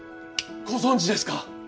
ご存じですか！